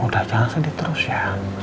udah jangan sedih terus ya